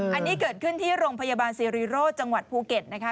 อันนี้เกิดขึ้นที่โรงพยาบาลสิริโรธจังหวัดภูเก็ตนะคะ